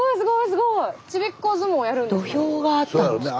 スタジオ土俵があったんですか？